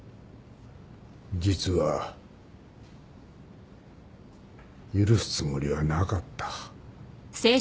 実は許すつもりはなかった。